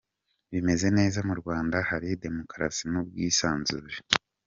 bimeze neza mu Rwanda, hari demokarasi n’ubwisanzure.